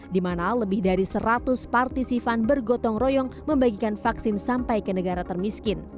di mana lebih dari seratus partisipan bergotong royong membagikan vaksin sampai ke negara termiskin